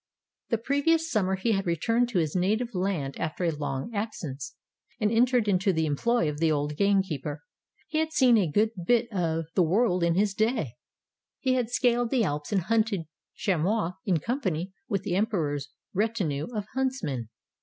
The previous summer he had returned to his native land after a long absence, and entered into the employ of the old gamekeeper. He had seen a good bit of 122 Tales of Modern Germany the world in his day. He had scaled the Alps and hunted chamois in company with the Emperor's retinue of huntsmen.